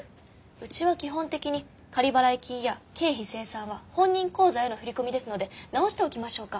うちは基本的に仮払い金や経費精算は本人口座への振り込みですので直しておきましょうか？